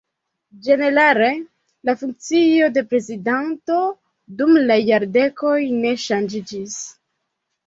Ĝenerale la funkcio de prezidanto dum la jardekoj ne ŝanĝiĝis.